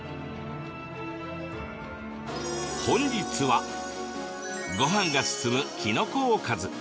本日はごはんがすすむ、きのこおかず。